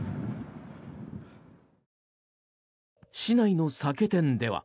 市内の酒店では。